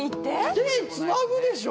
手つなぐでしょ？